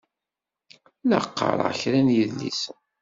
La qqaṛeɣ kra n yedlisen.